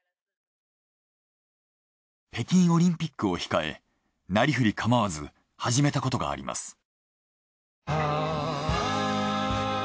北京オリンピックを控えなりふり構わず始めたことがあります。